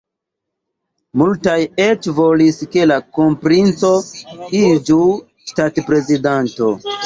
Multaj eĉ volis, ke la kronprinco iĝu ŝtatprezidanto.